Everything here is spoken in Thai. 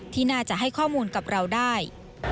ที่น่าจะให้ข้อมูลกับเราได้